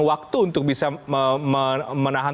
waktu untuk bisa menahan